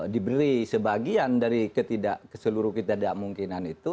diberi sebagian dari ketidak keseluruh kita tidak mungkinan itu